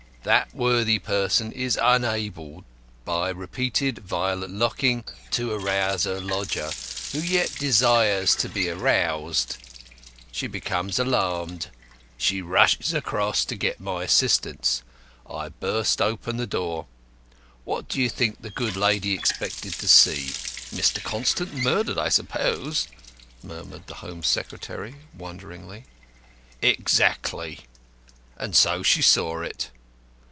That worthy person is unable, by repeated violent knocking, to arouse her lodger who yet desires to be aroused; she becomes alarmed, she rushes across to get my assistance; I burst open the door what do you think the good lady expected to see?" "Mr. Constant murdered, I suppose," murmured the Home Secretary, wonderingly. "Exactly. And so she saw it.